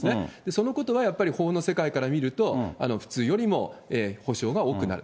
そのことはやっぱり法の世界から見ると、普通よりも補償が多くなる。